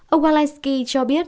ông walensky cho biết